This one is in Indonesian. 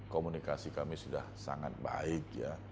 komunikasi kami sudah sangat baik ya